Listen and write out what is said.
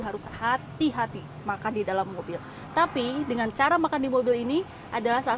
harus hati hati makan di dalam mobil tapi dengan cara makan di mobil ini adalah salah